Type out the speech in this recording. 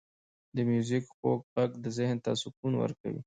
• د میوزیک خوږ ږغ ذهن ته سکون ورکوي.